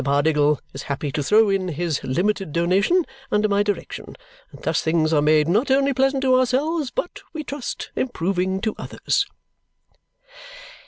Pardiggle is happy to throw in his limited donation, under my direction; and thus things are made not only pleasant to ourselves, but, we trust, improving to others."